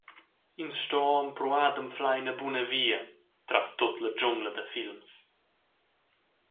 Ins sto empruar d’anflar ina buna via tras tut la dschungla da films.